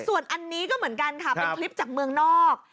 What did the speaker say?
ส่วนอันนี้ก็เหมือนกันค่ะเป็นคลิปจากเมืองนอก